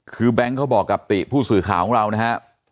คือแบงค์เขาบอกกับติผู้สื่อข่าวของเรานะฮะ